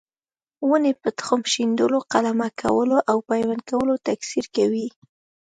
ونې په تخم شیندلو، قلمه کولو او پیوند کولو تکثیر کوي.